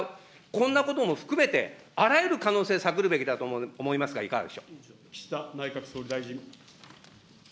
こんなことも含めて、あらゆる可能性、探るべきだと思いますが、岸田内閣総理大臣。